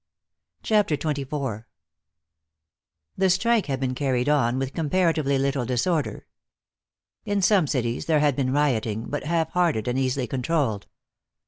CHAPTER XXIV The strike had been carried on with comparatively little disorder. In some cities there had been rioting, but half hearted and easily controlled.